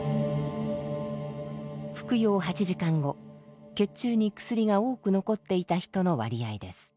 服用８時間後血中に薬が多く残っていた人の割合です。